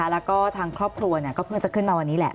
แล้วก็ทางครอบครัวก็เพิ่งจะขึ้นมาวันนี้แหละ